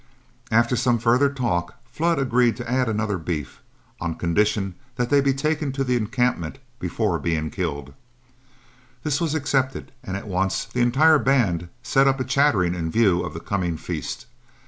After some further talk, Flood agreed to add another beef, on condition they be taken to the encampment before being killed. This was accepted, and at once the entire band set up a chattering in view of the coming feast.